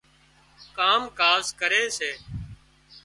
ڪام ڪاز ڪري سي